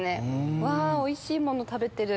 うわおいしいもの食べてる！